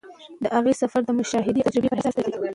د هغه سفر د مشاهدې او تجربې پر اساس دی.